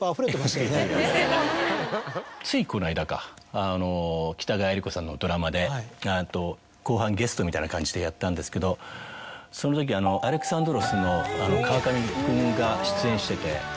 ついこの間か北川悦吏子さんのドラマで後半ゲストみたいな感じでやったんですけどそのとき。が出演してて。